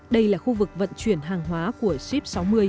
đây là khu vực vận chuyển hàng hóa của sip sáu mươi